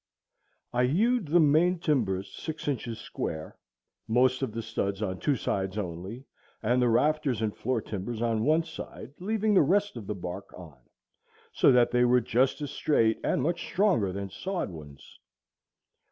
I hewed the main timbers six inches square, most of the studs on two sides only, and the rafters and floor timbers on one side, leaving the rest of the bark on, so that they were just as straight and much stronger than sawed ones.